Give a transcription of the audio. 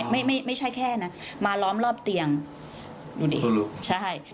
ไม่ไม่ไม่ใช่แค่น่ะมาล้อมรอบเตียงดูดิใช่